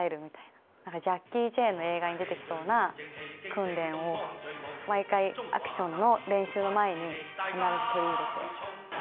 なんかジャッキー・チェンの映画に出てきそうな訓練を、毎回、アクションの練習の前に必ず取り入れて。